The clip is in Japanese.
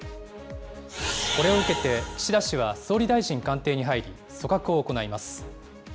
これを受けて、岸田氏は総理大臣官邸に入り、組閣を行います。